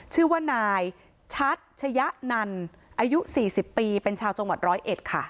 ชื่อว่านายชัดชะยะนันอายุ๔๐ปีเป็นชาวจังหวัดร้อยเอ็ดค่ะ